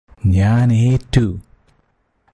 ഞാന് ഏറ്റു